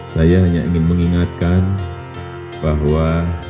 saya hanya ingin mengingatkan bahwa